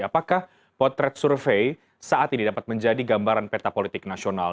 apakah potret survei saat ini dapat menjadi gambaran peta politik nasional